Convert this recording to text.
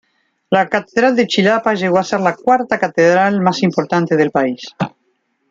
La catedral de Chilapa llegó a ser la cuarta catedral más importante del país.